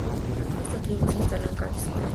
Esta tribu se instaló en Caldes con la imagen.